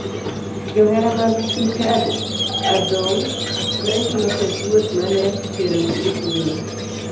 Johera mag tuke adhong' ne chulo pes wuoth ma ne dhi terogi e tugono.